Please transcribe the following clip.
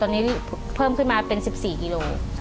ตอนนี้เพิ่มขึ้นมาเป็น๑๔กิโล